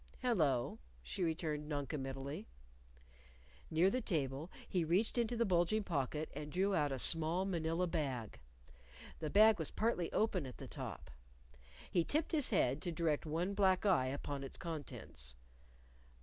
"Hello!" she returned noncommittally. Near the table, he reached into the bulging pocket and drew out a small Manila bag. The bag was partly open at the top. He tipped his head to direct one black eye upon its contents.